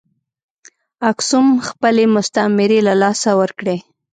اکسوم خپلې مستعمرې له لاسه ورکړې.